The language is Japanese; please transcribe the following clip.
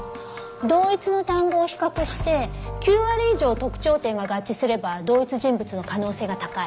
同一の単語を比較して９割以上特徴点が合致すれば同一人物の可能性が高い。